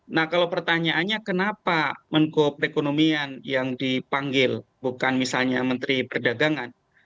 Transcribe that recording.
nah kalau pertanyaannya kenapa menko perekonomian yang dipanggil bukan misalnya menteri perdagangan